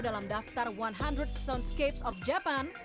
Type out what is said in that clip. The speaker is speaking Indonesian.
dalam daftar seratus capes of japan